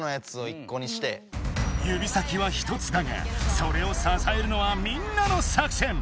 指先は１つだがそれをささえるのはみんなの作戦！